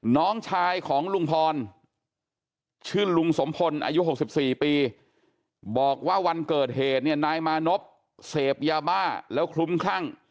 น้องชายของลุงพรชื่อลุงสมพลอายุ๖๔ปีบอกว่าวันเกิดเหตุเนี่ยนายมานพเสพยาบ้าแล้วคลุ้มคลั่ง